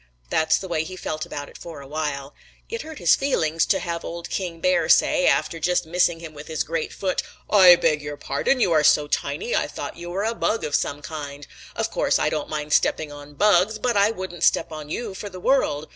That's the way he felt about it for a while. It hurt his feelings to have old King Bear say, after just missing him with his great foot. 'I beg your pardon, You are so tiny I thought you were a bug of some kind. Of course, I don't mind stepping on bugs, but I wouldn't step on you for the world.